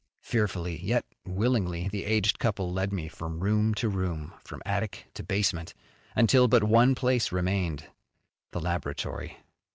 Fearfully yet willingly the aged couple led me from room to room, from attic to basement, until but one place remained the laboratory.